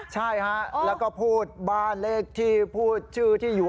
ใช่ฮะแล้วก็พูดบ้านเลขที่พูดชื่อที่อยู่